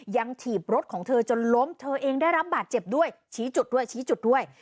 ถีบรถของเธอจนล้มเธอเองได้รับบาดเจ็บด้วยชี้จุดด้วยชี้จุดด้วย